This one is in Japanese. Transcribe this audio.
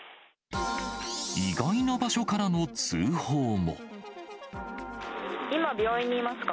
意外な場所からの通報も。